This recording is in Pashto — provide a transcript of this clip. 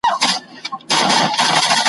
په دنیا کي چي تر څو جبر حاکم وي,